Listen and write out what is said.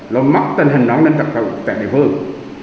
lộn mắt tình hình nón nâng tập thụ tại địa phương